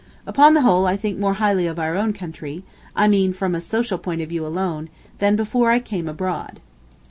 Upon the whole I think more highly of our own country (I mean from a social point of view alone) than before I came abroad.